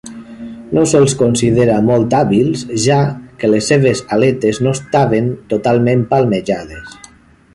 No se'ls considera molt hàbils, ja que les seves aletes no estaven totalment palmejades.